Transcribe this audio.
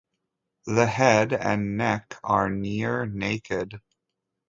The head and neck are near-naked.